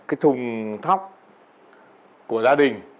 cái thùng thóc của gia đình